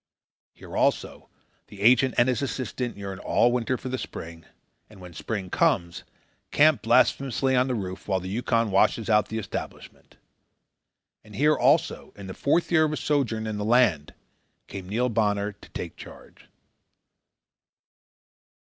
Here, also, the agent and his assistant yearn all winter for the spring, and when the spring comes, camp blasphemously on the roof while the Yukon washes out the establishment. And here, also, in the fourth year of his sojourn in the land, came Neil Bonner to take charge.